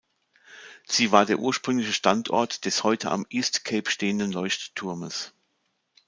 Sie war der ursprüngliche Standort des heute am East Cape stehenden Leuchtturmes.